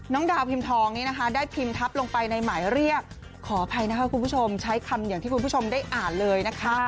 ดาวพิมพ์ทองนี้นะคะได้พิมพ์ทับลงไปในหมายเรียกขออภัยนะคะคุณผู้ชมใช้คำอย่างที่คุณผู้ชมได้อ่านเลยนะคะ